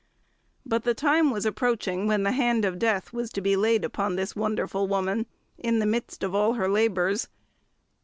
But the time was approaching when the hand of death was to be laid upon this wonderful woman in the midst of all her labours.